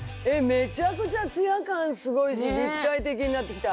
めちゃくちゃツヤ感すごいし立体的になってきた。